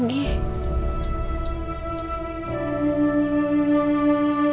semoga putri gak dijemput